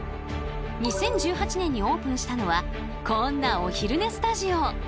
２０１８年にオープンしたのはこんなお昼寝スタジオ。